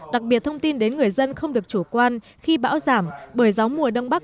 đặc biệt thông tin đến người dân không được chủ quan khi bão giảm bởi gió mùa đông bắc